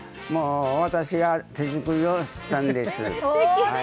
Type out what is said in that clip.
私が手作りをしたんです。